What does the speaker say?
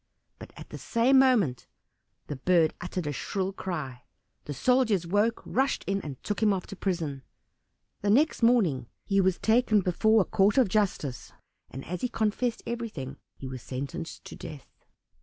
But at the same moment the bird uttered a shrill cry. The soldiers awoke, rushed in, and took him off to prison. The next morning he was taken before a court of justice, and as he confessed everything, was sentenced to death.